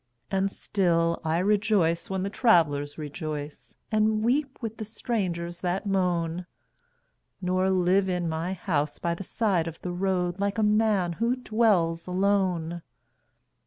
And still I rejoice when the travelers rejoice And weep with the strangers that moan, Nor live in my house by the side of the road Like a man who dwells alone.